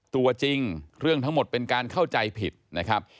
ตัวจริงเรื่องทั้งหมดเป็นการเข้าใจผิดนะครับ